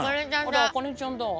あれ茜ちゃんだわ。